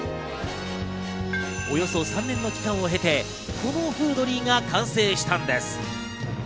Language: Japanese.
およそ３年の期間を経てこのＦｏｏｄｌｙが完成したんです。